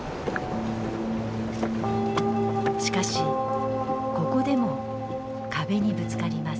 しかしここでも壁にぶつかります。